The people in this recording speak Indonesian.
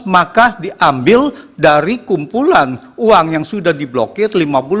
maka diambil dari kumpulan uang yang sudah diblokir